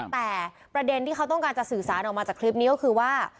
แต่ประเด็นที่เขาต้องการจะสื่อสารออกมาจากคลิปนี้ก็คือว่า